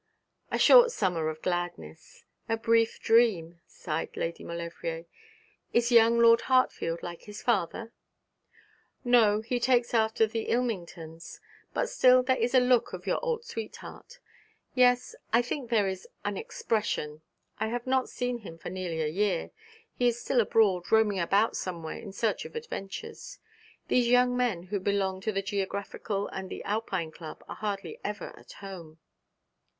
'A short summer of gladness, a brief dream,' sighed Lady Maulevrier. 'Is young Lord Hartfield like his father?' 'No, he takes after the Ilmingtons; but still there is a look of your old sweetheart yes, I think there is an expression. I have not seen him for nearly a year. He is still abroad, roaming about somewhere in search of adventures. These young men who belong to the Geographical and the Alpine Club are hardly ever at home.'